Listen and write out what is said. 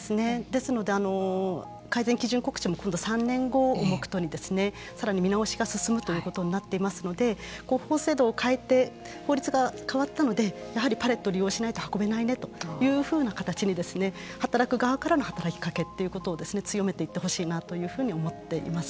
ですので改善基準告知も今度３年後を目途にさらに見直しが進むということになっていますので法制度を変えて法律が変わったのでやはりパレットを利用しないと運べないねというふうな形に働く側からの働きかけということを強めていってほしいなというふうに思っています。